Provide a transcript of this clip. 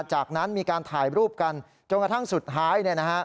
จากนั้นมีการถ่ายรูปกันจนกระทั่งสุดท้าย